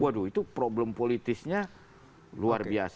waduh itu problem politisnya luar biasa